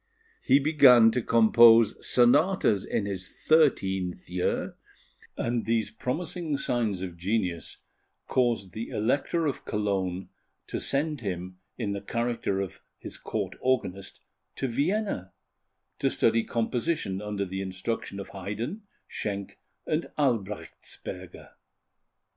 He began to compose sonatas in his thirteenth year, and these promising signs of genius caused the Elector of Cologne to send him, in the character of his Court Organist, to Vienna, to study composition under the instruction of Haydn, Schenk, and Albrechtsberger.